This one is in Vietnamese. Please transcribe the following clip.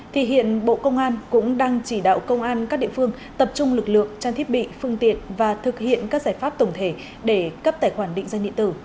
thì hiện bộ công an cũng đang chỉ đạo công an các địa phương tập trung lực lượng trang thiết bị phương tiện và thực hiện các giải pháp tổng thể để cấp tài khoản định danh điện tử